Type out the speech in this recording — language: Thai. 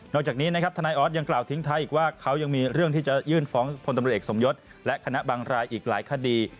จากนี้นะครับทนายออสยังกล่าวทิ้งท้ายอีกว่าเขายังมีเรื่องที่จะยื่นฟ้องพลตำรวจเอกสมยศและคณะบางรายอีกหลายคดี